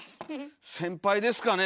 先輩ですかね？